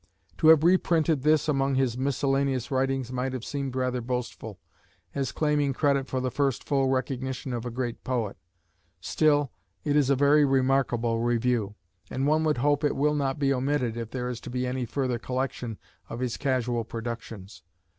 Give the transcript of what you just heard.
To have reprinted this among his miscellaneous writings might have seemed rather boastful, as claiming credit for the first full recognition of a great poet: still it is a very remarkable review; and one would hope it will not be omitted if there is to be any further collection of his casual productions.